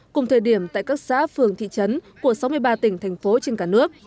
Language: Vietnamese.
cùng thời điểm tại các xã phường thị trấn của sáu mươi ba tỉnh thành phố trên cả nước